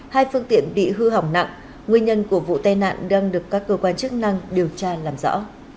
hai phương tiện bị hư hỏng nặng nguyên nhân của vụ tai nạn đang được các cơ quan chức năng điều tra làm rõ